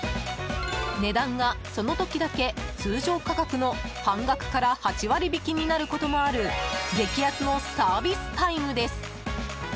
値段がその時だけ通常価格の半額から８割引きになることもある激安のサービスタイムです。